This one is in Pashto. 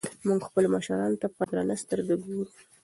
موږ خپلو مشرانو ته په درنه سترګه ګورو.